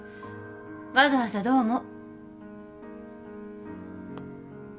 わざわざどうも。